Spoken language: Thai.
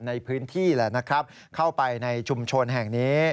ในพื้นที่เค้าไปกับชุมชนแห่งนี้